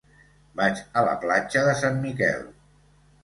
Vaig a la platja de Sant Miquel.